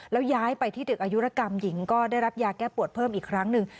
แล้วย้ายไปที่ดึกอายุรกรรมหญิงก็ได้รับยาแก้ปวดเพิ่มอีกครั้งหนึ่ง